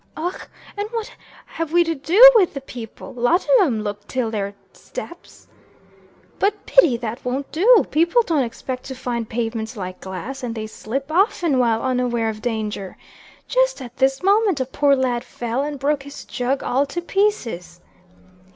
"Och! And what hev we till do wid the paple. Lot 'em look 'till their steps." "But, Biddy, that won't do. People don't expect to find pavements like glass; and they slip, often, while unaware of danger. Just at this moment a poor lad fell, and broke his jug all to pieces."